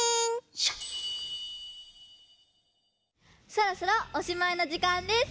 そろそろおしまいの時間です。